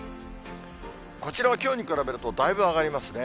こちらはきょうに比べると、だいぶ上がりますね。